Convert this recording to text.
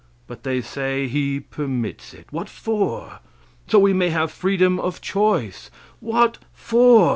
But they say He "permits it." What for? So we may have freedom of choice. What for?